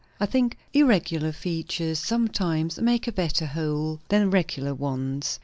I think irregular features sometimes make a better whole than regular ones.